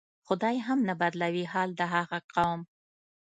"خدای هم نه بدلوي حال د هغه قوم".